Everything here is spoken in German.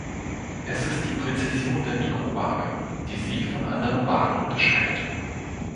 Es ist die Präzision der Mikrowaage, die sie von anderen Waagen unterscheidet.